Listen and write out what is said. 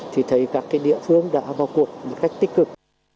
thì thấy các địa phương đã vào cuộc một cách tích cực